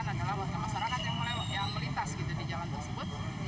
ini adalah buatan masyarakat yang melintas di jalan tersebut